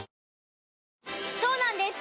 そうなんです